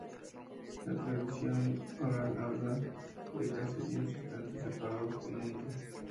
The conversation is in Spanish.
La tradición oral habla de caseríos distantes, separados por monte.